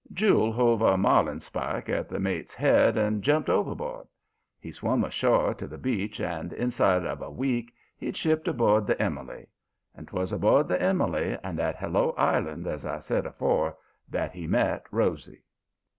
Jule hove a marlinespike at the mate's head and jumped overboard. He swum ashore to the beach and, inside of a week, he'd shipped aboard the Emily. And 'twas aboard the Emily, and at Hello Island, as I said afore, that he met Rosy.